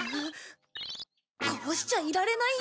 こうしちゃいられないよ。